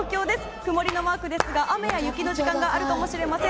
曇りのマークですが雨や雪の時間があるかもしれません。